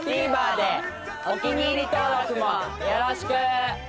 お気に入り登録もよろしく！